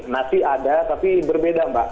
nasi ada tapi berbeda mbak